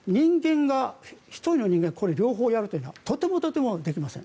１人の人間が両方やるというのはとてもとてもできません。